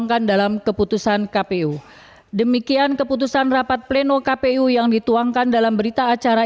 kejayaan dan keputusan kpu demikian keputusan rapat pleno kpu yang dituangkan dalam berita acara